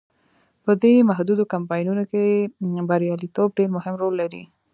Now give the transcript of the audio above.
په دې محدودو کمپاینونو کې بریالیتوب ډیر مهم رول لري.